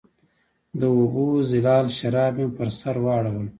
د اوبو زلال شراب مې پر سر واړوله